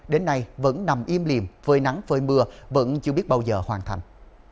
đến nay vẫn nằm im liềm phơi nắng phơi mưa vẫn chưa biết bao giờ hoàn thành